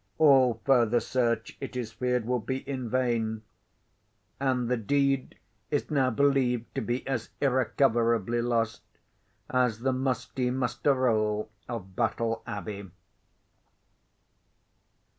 All further search, it is feared, will be in vain; and the deed is now believed to be as irrecoverably lost, as the musty muster roll of Battle Abbey.